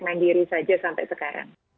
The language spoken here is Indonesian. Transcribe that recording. mandiri saja sampai sekarang